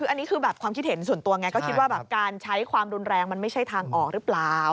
คืออันนี้คือแบบความคิดเห็นส่วนตัวไงก็คิดว่าแบบการใช้ความรุนแรงมันไม่ใช่ทางออกหรือเปล่า